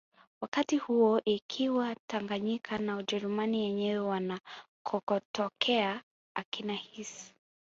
Wakati huo ikiwa Tanganyika na Ujerumani yenyewe wanakotokea akina Hiss